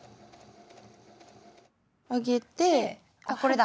上げてあっこれだ。